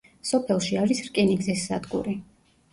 სოფელში არის რკინიგზის სადგური.